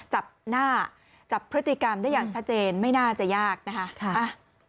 จับหน้าจับพฤติกรรมได้อย่างชัดเจนไม่น่าจะยากนะคะ